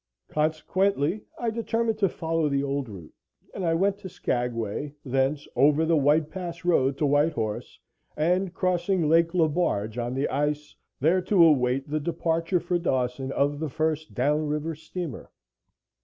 Consequently, I determined to follow the old route, and I went to Skagway, thence over the White Pass road to White Horse and, crossing Lake Le Barge on the ice, there to await the departure for Dawson of the first down river steamer.